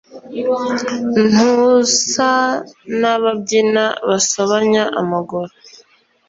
Ntusa n’ababyina basobanya amaguru